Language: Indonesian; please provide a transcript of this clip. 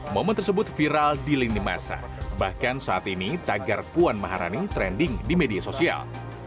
momen tersebut viral di lini masa bahkan saat ini tagar puan maharani trending di media sosial